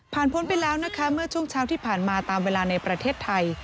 พ้นไปแล้วนะคะเมื่อช่วงเช้าที่ผ่านมาตามเวลาในประเทศไทย